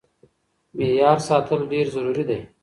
معيار ساتل ډېر ضروري دی.